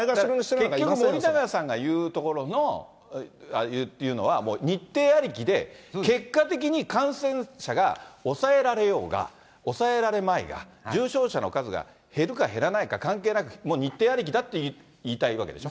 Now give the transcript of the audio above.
結局、森永さんが言うところの、日程ありきで、結果的に感染者が抑えられようが、抑えられまいが、重症者の数が減るか減らないか関係なく、もう日程ありきだって言いたいわけでしょ？